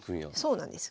そうなんです。